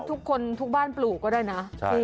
ทุกคนทุกบ้านปลูกก็ได้นะ